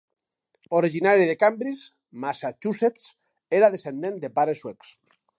Originari de Cambridge, Massachusetts, era descendent de pares suecs.